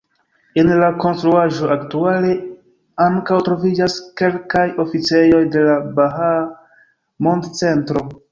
En la konstruaĵo aktuale ankaŭ troviĝas kelkaj oficejoj de la "Bahaa Mond-Centro".